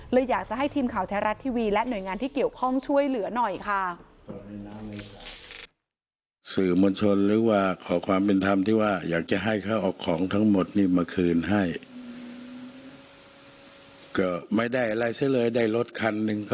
อยากจะให้ทีมข่าวแท้รัฐทีวีและหน่วยงานที่เกี่ยวข้องช่วยเหลือหน่อยค่ะ